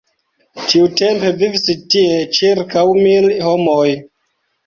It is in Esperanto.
Tiutempe vivis tie ĉirkaŭ mil homoj.